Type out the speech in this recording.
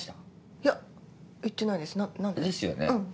いや行ってないです何で？ですよね。